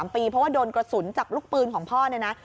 เพราะว่าโดนกระสุนจับลูกปืนของพ่อนะนะ